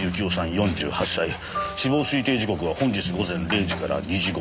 死亡推定時刻は本日午前０時から２時頃。